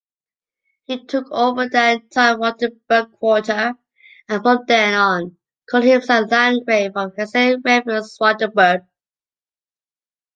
He took over the entire Rotenburg Quarter and from then on called himself Landgrave of Hesse-Rheinfels-Rotenburg.